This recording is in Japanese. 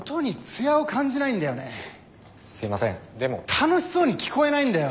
楽しそうに聞こえないんだよ！